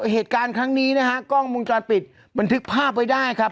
เหตุการณ์ครั้งนี้นะฮะกล้องมุมจรปิดบันทึกภาพไว้ได้ครับ